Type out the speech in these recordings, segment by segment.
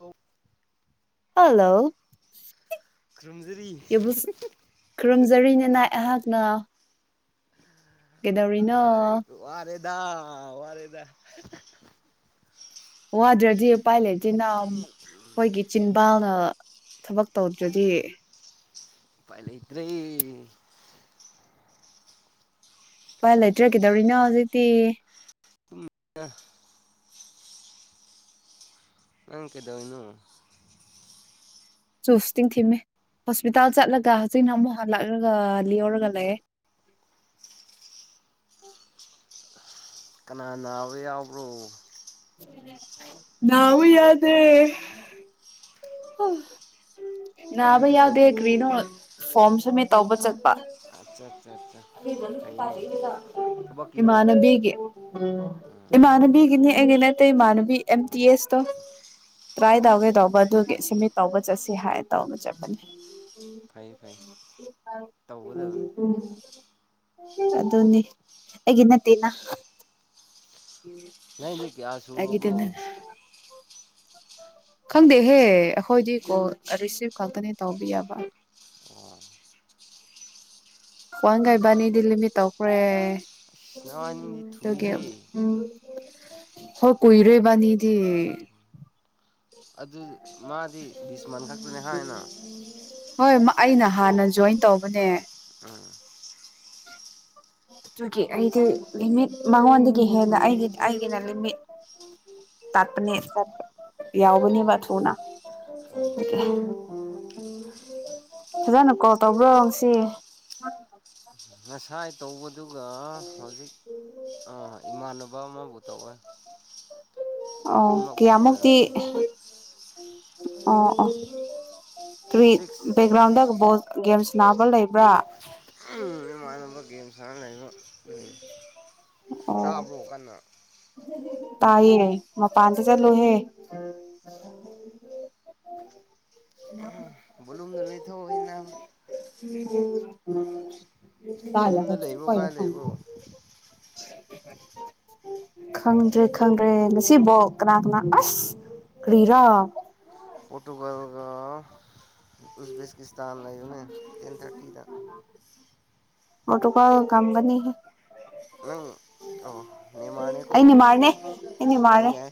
ꯑꯣ ꯍꯜꯂꯣ ꯈꯨꯔꯨꯝꯖꯔꯤ ꯌꯨꯕꯨꯁꯨ ꯈꯨꯔꯨꯝꯖꯔꯤ ꯅꯅꯥꯏ ꯑꯩꯍꯥꯛꯅ ꯀꯩꯗꯧꯔꯤꯅꯣ ꯗꯥ ꯋꯥꯔꯦꯗ ꯋꯥꯗꯔ꯭ꯗꯤ ꯎꯄꯥꯏ ꯂꯩ ꯆꯤꯟꯅꯥ ꯈꯣꯏꯒꯤ ꯆꯤꯟꯕꯥꯜꯅ ꯊꯕꯛ ꯇꯧꯗ꯭ꯔꯗꯤ ꯄꯥꯏ ꯂꯩ ꯇꯔ꯭ꯦ ꯄꯥꯏ ꯂꯩꯇꯔꯦ ꯀꯩꯗꯧꯔꯤꯅꯣ ꯍꯧꯖꯤꯛꯇꯤ ꯑ ꯅꯪ ꯀꯩꯗꯧꯏꯅꯣ ꯆꯨꯁꯇꯤꯡ ꯊꯤꯝꯃꯦ ꯍꯣꯁꯄꯤꯇꯥꯜ ꯆꯠꯂꯒ ꯍꯖꯤꯛꯅ ꯑꯃꯨꯛ ꯍꯜꯂꯛꯂꯒ ꯂꯤꯎꯔꯒ ꯂꯩꯑꯦ ꯀꯅꯥ ꯅꯥꯕ ꯌꯥꯎꯕ꯭ꯔꯣ ꯅꯥꯕ ꯌꯥꯎꯗꯦ ꯍ ꯅꯥꯕ ꯑꯗꯨꯗꯤ ꯌꯥꯎꯗꯦ ꯀꯔꯤ ꯅꯣ ꯐꯣꯝ ꯁꯃꯤꯠ ꯇꯧꯕ ꯆꯠꯄ ꯑꯆꯥ ꯊꯕꯛꯀꯤꯔꯣ ꯏꯃꯥꯟꯅꯕꯤꯒꯤ ꯎꯝ ꯏꯃꯥꯟꯅꯕꯤꯒꯤꯅꯤ ꯑꯩꯒꯤ ꯅꯠꯇꯦ ꯃ ꯅꯕꯤ ꯑꯦꯝ ꯎꯝ ꯇꯤ ꯑꯦꯁꯇꯣ ꯇ꯭ꯔꯥꯏ ꯇꯧꯒꯦ ꯇꯧ ꯕꯗꯨꯒꯤ ꯑꯣ ꯑꯣ ꯁꯃꯤꯠ ꯇꯧꯕ ꯆꯠꯁꯤ ꯍꯥꯏ ꯇꯧꯕ ꯆꯠꯄꯅꯤ ꯐꯩ ꯐꯩ ꯇꯧꯒꯗꯕꯅꯦ ꯑꯗꯨꯅꯤ ꯑꯩꯒꯤ ꯅꯠꯇꯦꯅ ꯅꯪꯗꯤ ꯀꯌꯥ ꯁꯨꯔꯕ꯭ꯔꯣ ꯑꯩꯒꯤꯗꯨꯅ ꯈꯪꯗꯦꯍꯦ ꯑꯩꯈꯣꯏꯗꯤ ꯀꯣ ꯔꯤꯁꯤꯞ ꯈꯛꯇꯅꯤ ꯇꯧꯕꯤꯌꯕ [inaudible] ꯋꯥꯡꯒ ꯏꯕꯥꯅꯤꯗꯤ ꯂꯤꯃꯤꯠ ꯇꯧꯈ꯭ꯔꯦ ꯅꯋꯥꯅꯤꯗꯤ ꯇꯨꯒꯤ ꯊꯨꯏꯍꯦ ꯍꯣ ꯀꯨꯏꯔꯦ ꯏꯕꯥꯅꯤꯗꯤ ꯑꯗꯨꯗ ꯃꯥꯗꯤ ꯕꯤꯁ ꯃꯥꯟ ꯈꯛꯇꯅꯦ ꯍꯥꯏꯅ ꯍꯣꯏ ꯑꯩꯅ ꯍꯥꯟꯅ ꯖꯣꯏꯟ ꯇꯧꯕꯅꯦ ꯎꯝ ꯑꯗꯨꯒꯤ ꯑꯩꯗꯤ ꯂꯤꯃꯤꯠ ꯃꯉꯣꯟꯗꯒꯤ ꯍꯦꯟꯅ ꯑꯩꯒꯤ ꯑꯩꯒꯤꯅ ꯂꯤꯃꯤꯠ ꯇꯠꯄꯅꯦꯄ ꯑꯣ ꯌꯥꯎꯕꯅꯦꯕ ꯑꯣ ꯊꯨꯅ ꯑꯣ ꯐꯖꯥꯅ ꯀꯣꯜ ꯇꯧꯕ꯭ꯔꯣ ꯉ ꯁꯤ ꯉꯁꯥꯏ ꯇꯧꯕꯗꯨꯒ ꯍꯧꯖꯤꯛ ꯏꯃꯥꯟꯅꯕ ꯑꯃꯕꯨ ꯇꯧꯋꯦ ꯑꯣ ꯑꯍꯨꯝꯃꯛꯒꯨꯝꯕ ꯀꯦꯃꯨꯛꯇꯤ ꯑꯣꯏꯔꯝꯅꯤ ꯑ ꯑ ꯇꯔꯤ ꯕꯦꯛꯒ꯭ꯔꯥꯎꯗ ꯁꯤꯛꯁ ꯕꯣꯜ ꯒꯦꯝꯁ ꯅꯥꯕ ꯂꯩꯕ꯭ꯔꯥ ꯈꯔ ꯂꯩꯔꯒ ꯎꯝ ꯑꯣ ꯇꯥꯕ꯭ꯔꯣ ꯀꯟꯅ ꯇꯥꯏꯌꯦ ꯃ ꯄꯥꯟꯊ ꯆ ꯂꯨꯍꯦ ꯕꯂꯨꯝꯗ ꯂꯩꯊꯣꯛꯅ ꯎꯝ ꯀꯥꯏ ꯂꯩꯕ꯭ꯔꯣ [unintelligible] ꯈꯪꯗ꯭ꯔꯦ ꯈꯪꯗ꯭ꯔꯦ ꯉꯁꯤꯕꯥꯎ ꯀꯅꯥ ꯀꯅꯥ ꯑꯁ ꯀ꯭ꯔꯤꯔꯣ ꯄꯣꯔꯇꯨꯒꯜ [inaudible] ꯇꯥꯝ ꯂꯩꯕꯅꯦ ꯇꯦꯟ ꯊꯥꯔꯇꯤꯗ [unintelligible] ꯅꯪ ꯑꯣ ꯅꯃꯥꯟꯅꯦꯀꯣ ꯑꯁ ꯌꯥꯏ ꯃꯥꯜꯂꯦ ꯌꯥꯏ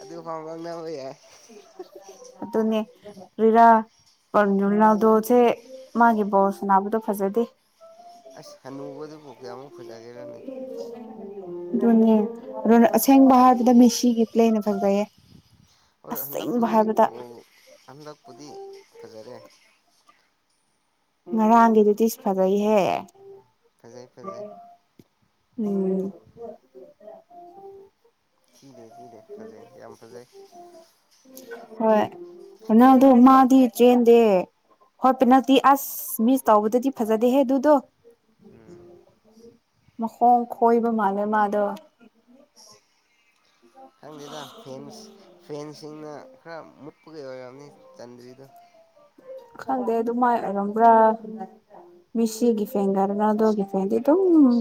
ꯑꯗꯨ ꯐꯥꯎ ꯈꯨꯃꯥꯡꯅꯅꯥꯕꯌꯥ ꯑꯗꯨꯅꯦ ꯔꯤꯔꯥ ꯄꯟꯖ ꯂꯥꯜꯗꯣꯁꯦ ꯃꯥꯒꯤ ꯕꯣꯁ ꯅꯥꯕꯗꯣ ꯐꯖꯗꯦ ꯑꯁ ꯍꯅꯨꯕꯗꯨ ꯄꯣꯛꯀꯌꯥꯃꯨꯛ ꯐꯨꯂꯒꯦꯔꯅꯤ ꯑꯗꯨꯅꯦꯣ ꯑꯁꯦꯡꯕ ꯍꯥꯏꯔꯕꯗ ꯃꯤꯦꯁꯤꯒꯤ ꯄ꯭ꯂꯦꯅ ꯐꯖꯩꯌꯦ ꯑꯣ ꯑꯁꯦꯡꯕ ꯍꯟꯗꯛꯄꯗꯤ ꯍꯥꯏꯕꯗ ꯍꯟꯗꯛꯄꯗꯤ ꯐꯖꯔꯦ ꯉꯔꯥꯡꯒꯤꯗꯨꯗꯤ ꯐꯖꯩꯍꯦ ꯐꯖꯩ ꯐꯖꯩ ꯎꯝ ꯊꯗꯦ ꯀꯗꯦ ꯐꯖꯩ ꯌꯥꯝ ꯐꯖꯩ ꯍꯣꯏ ꯑꯗꯨ ꯎ ꯄꯦꯅꯥꯜꯇꯤ ꯃꯥꯗꯤ ꯆꯦꯟꯗꯦ ꯍꯣꯏ ꯄꯦꯅꯥꯜꯇꯤ ꯑꯁ ꯃꯤꯁ ꯇꯧꯕꯗꯗꯤ ꯐꯖꯗꯦꯍꯦ ꯑꯗꯨꯗꯣ ꯎꯝ ꯃꯈꯣꯡ ꯈꯣꯏꯕ ꯃꯥꯜꯂ ꯃꯥꯗꯣ ꯈꯪꯗꯦꯗ ꯐꯦꯟ ꯐꯦꯟꯁꯤꯡꯅ ꯈ ꯃꯛꯄ ꯀ ꯑꯅꯤ ꯆꯟꯗꯔꯤꯗ ꯈꯪꯗꯦ ꯑꯗꯨ ꯃꯥꯏ ꯑꯣꯏꯔꯝꯕ꯭ꯔꯥ ꯃꯤꯁꯤꯒꯤ ꯐꯦꯡꯒꯗ ꯉꯥꯗꯣꯒꯤ ꯐꯦꯡꯗꯤ ꯑꯗꯨꯝ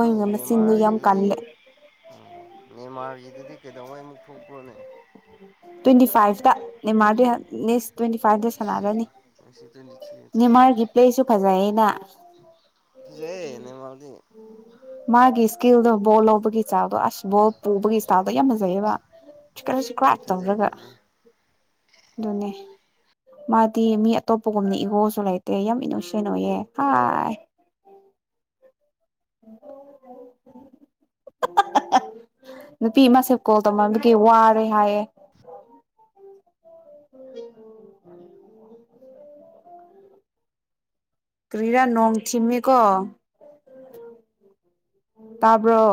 ꯅꯣꯏ ꯃꯆꯤꯟꯗꯨ ꯌꯥꯝ ꯅꯦꯃꯥꯔꯒꯤꯗꯨꯗꯤ ꯀꯜꯂꯦ ꯎ ꯅꯦꯃꯥꯔꯒꯤ ꯑꯗꯨꯗꯤ ꯀꯩꯗꯧꯉꯩ ꯑꯃꯨꯛ ꯊꯣꯛꯈ꯭ꯔꯣꯅꯦ ꯇ꯭ꯋꯦꯟꯇꯤ ꯐꯥꯏꯚꯇ ꯃꯥ ꯅꯦꯃꯥꯔꯒꯤ ꯄ꯭ꯂꯦꯁꯨ ꯐꯖꯩꯌꯦꯅ ꯭ꯋꯋꯗꯤ ꯀꯅ ꯣꯜ ꯂꯣꯕꯒꯤ ꯏꯁꯇꯥꯎꯗꯣ ꯑꯁꯕꯣ ꯄꯨꯕꯒꯤ ꯏꯁꯇꯥꯥꯎꯜꯗꯣ ꯌꯥꯝ ꯐꯖꯩꯌꯦꯕ ꯆ ꯀꯅ ꯁꯤꯣ ꯐꯖꯩ ꯇꯧꯔꯒ ꯐꯖꯩ ꯑꯗꯨꯅꯦ ꯃꯥꯗꯤ ꯃꯤ ꯑꯇꯣꯞꯄꯒꯨꯝꯅ ꯏꯉꯣꯑꯁꯨ ꯂꯩꯇꯦ ꯌꯥꯝ ꯏꯅꯨꯁꯅꯨꯌꯦ ꯍꯥꯏ ꯅꯨꯄꯤ ꯃꯥ ꯁꯦꯞ ꯀꯣꯜ ꯇꯧꯃꯕ ꯀꯩ ꯋꯥꯔꯦ ꯍꯥꯏꯌꯦ ꯀ꯭ꯔꯤꯔꯥ ꯅꯣꯡ ꯊꯤꯃꯦꯀꯣ ꯇꯥꯕ꯭ꯔꯣ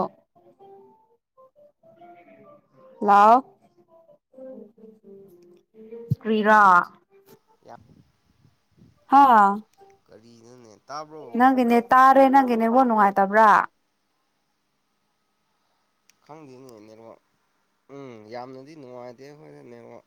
ꯍ ꯀꯔꯤꯔꯥ ꯌꯥꯞ ꯍ ꯇꯥꯕ꯭ꯔꯣ ꯅꯪꯒꯤꯅꯦ ꯇ ꯑꯔꯦ ꯅꯪꯒꯤꯦꯅꯦꯕꯣ ꯅꯨꯡꯉꯥꯏꯇꯕ꯭ꯔꯥ ꯈꯪꯗꯦꯅꯦ ꯅꯔꯣ ꯎꯝ ꯌꯥꯝꯅꯗꯤ ꯅꯨꯡꯉꯥꯏꯇꯦ ꯍꯣꯏꯔꯦ ꯅꯔꯣ